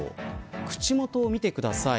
口元を見てください。